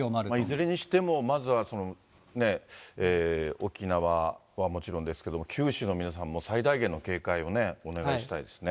いずれにしてもまずは沖縄はもちろんですけれども、九州の皆さんも最大限の警戒をね、お願いしたいですね。